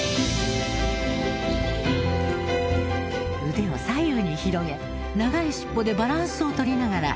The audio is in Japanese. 腕を左右に広げ長い尻尾でバランスを取りながら横っ跳び。